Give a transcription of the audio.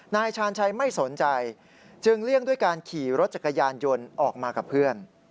นายชาญชัยไม่สนใจจึงเลี่ยงด้วยการขี่รถจักรยานยนต์ออกมากับเพื่อน